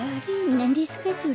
なんですかそれ？